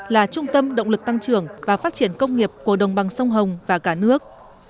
là trung tâm động lực tăng trưởng và phát triển công nghiệp của đồng bằng sông hồng và cả nước